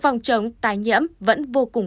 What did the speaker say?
phòng chống tái nhiễm vẫn vô cùng